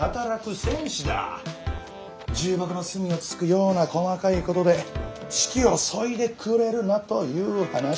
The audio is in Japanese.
重箱の隅をつつくような細かいことで士気をそいでくれるなという話ですよ。